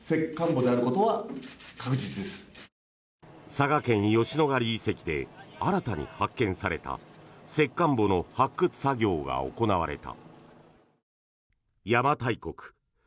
佐賀県・吉野ヶ里遺跡で新たに発見された石棺墓の発掘作業が行われた。